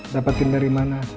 dapetin dari mana